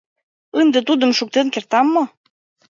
Ынде тудым шуктен кертам мо?